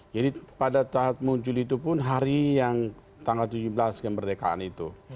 jadi pada tahap muncul itu pun hari yang tanggal tujuh belas yang merdekaan itu